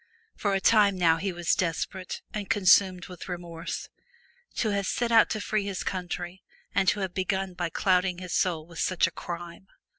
For a time now he was desperate and consumed with remorse. To have set out to free his country and to have begun by clouding his soul with such a crime!